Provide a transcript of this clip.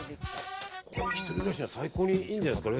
１人暮らしには最高にいいんじゃないですか。